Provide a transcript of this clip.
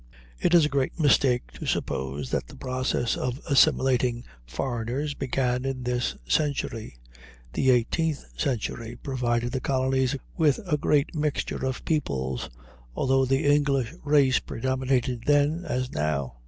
It is a great mistake to suppose that the process of assimilating foreigners began in this century. The eighteenth century provided the colonies with a great mixture of peoples, although the English race predominated then, as now.